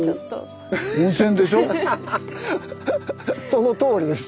そのとおりです。